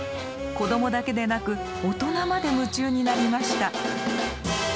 子供だけでなく大人まで夢中になりました。